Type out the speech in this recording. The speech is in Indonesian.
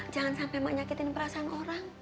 jangan sampai mak nyakitin perasaan orang